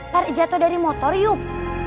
pak jato dari motor yuk